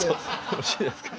よろしいですか。